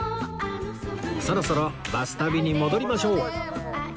そろそろバス旅に戻りましょう